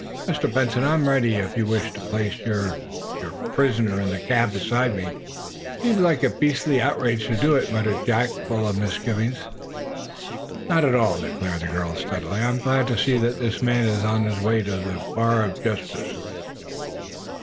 Mr. Benson, I am ready, if you wish to place your your prisoner in the cab beside me." "It seems like a beastly outrage to do it," muttered Jack, full of misgivings. "Not at all," declared the girl, steadily. "I am glad to see this man on his way to the bar of justice."